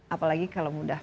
apalagi kalau mudah